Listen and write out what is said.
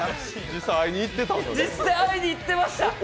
実際会いに行ってました。